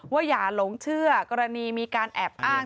อย่าหลงเชื่อกรณีมีการแอบอ้าง